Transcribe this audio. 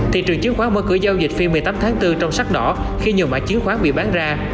thị trường chứng khoán mở cửa giao dịch phim một mươi tám tháng bốn trong sắc đỏ khi nhiều mã chiến khoán bị bán ra